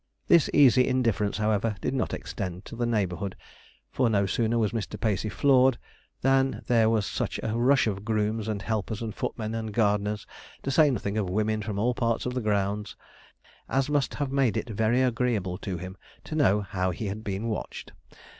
This easy indifference, however, did not extend to the neighbourhood; for no sooner was Mr. Pacey floored than there was such a rush of grooms, and helpers, and footmen, and gardeners to say nothing of women, from all parts of the grounds, as must have made it very agreeable to him to know how he had been watched.